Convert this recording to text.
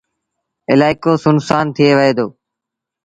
الآئيڪو سُن سآݩ ٿئي وهي دو۔